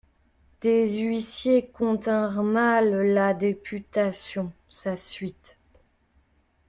Des huissiers continrent mal la députation, sa suite.